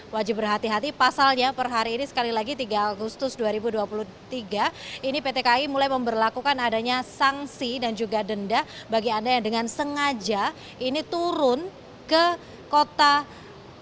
wajib berhati hati pasalnya per hari ini sekali lagi tiga agustus dua ribu dua puluh tiga ini pt kai mulai memperlakukan adanya sanksi dan juga denda bagi anda yang dengan sengaja ini turun ke kota jakarta